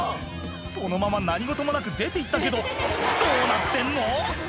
そのまま何事もなく出ていったけどどうなってんの？